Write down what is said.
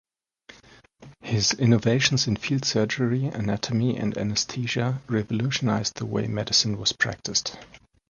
His innovations in field surgery, anatomy, and anesthesia revolutionized the way medicine was practiced.